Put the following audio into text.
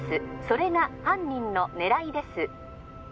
☎それが犯人の狙いです